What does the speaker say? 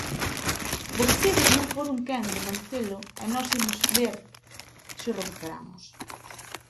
"Vostedes non foron quen de mantelo e nós imos ver se o recuperamos".